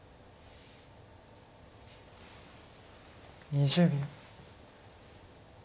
２０秒。